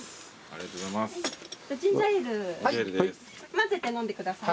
混ぜて飲んでください。